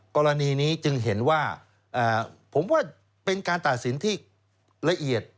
กรณีนี้จึงเห็นว่าผมว่าเป็นการตัดสินที่ละเอียด